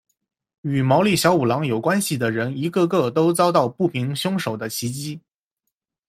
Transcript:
与毛利小五郎有关系的人一个个都遭到不明凶手的袭击。